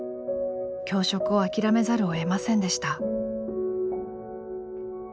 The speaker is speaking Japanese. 教職を諦めざるをえませんでした。